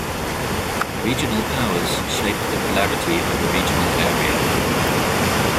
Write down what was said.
Regional powers shape the polarity of a regional area.